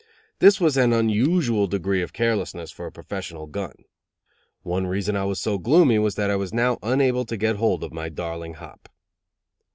This was an unusual degree of carelessness for a professional gun. One reason I was so gloomy was that I was now unable to get hold of my darling hop.